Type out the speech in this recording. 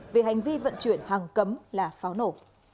vì hành vi vận chuyển hàng cấm là pháo nổ